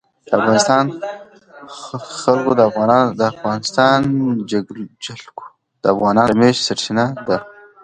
د افغانستان جلکو د افغانانو د معیشت سرچینه ده.